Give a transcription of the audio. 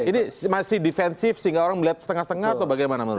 ini masih defensif sehingga orang melihat setengah setengah atau bagaimana menurut anda